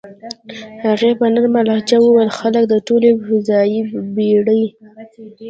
هغې په نرمه لهجه وویل: "خلک د ټولې فضايي بېړۍ.